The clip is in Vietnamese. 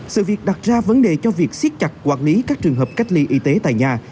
sự việc đặt ra vấn đề cho việc siết chặt quản lý các trường hợp cách ly y tế tại nhà